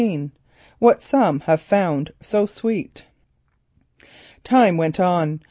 "WHAT SOME HAVE FOUND SO SWEET" Time went on.